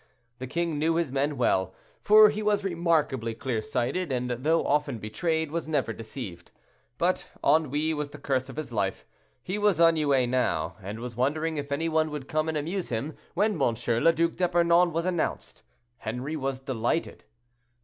The king knew his men well, for he was remarkably clear sighted: and though often betrayed, was never deceived. But ennui was the curse of his life; he was ennuyé now, and was wondering if any one would come and amuse him, when M. le Duc d'Epernon was announced. Henri was delighted.